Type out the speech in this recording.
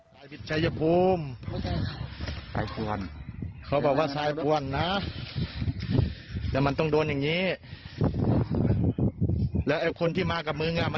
แต่อย่าเล่นนะ